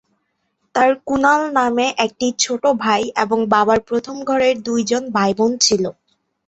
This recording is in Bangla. তার কুনাল নামে নামে একটি ছোট ভাই এবং বাবার প্রথম ঘরের দুই জন ভাইবোন ছিলো।